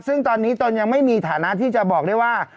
ซึ่งตอนนี้ตนยังไม่มีฐานะที่จะบอกได้ว่า